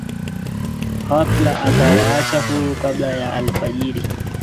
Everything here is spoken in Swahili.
ghafla akawaacha huru kabla ya alfajiri